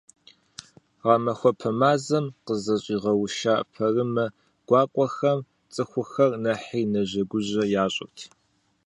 Гъэмахуэпэ мазэм къызэщӀигъэуша пэрымэ гуакӀуэхэм цӀыхухэр нэхъри нэжэгужэ ящӀырт.